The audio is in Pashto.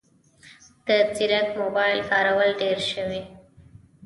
د ځیرک موبایل کارول ډېر شوي